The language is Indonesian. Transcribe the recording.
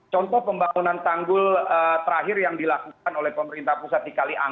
contoh pembangunan tanggul terakhir yang dilakukan oleh pemerintah pusat di kalian